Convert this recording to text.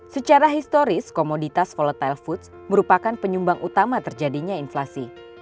secara historis komoditas volatile foods merupakan penyumbang utama terjadinya inflasi